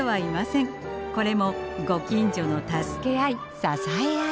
これもご近所の助け合い支え合い。